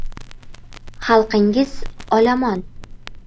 Xalqingiz olomon!